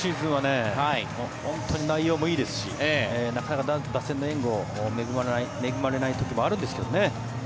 今シーズンは内容もいいですしなかなか打線の援護に恵まれない時もあるんですけどね。